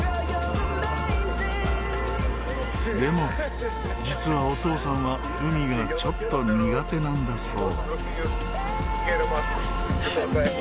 でも実はお父さんは海がちょっと苦手なんだそう。